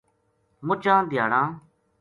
مُچاں دھیاڑاں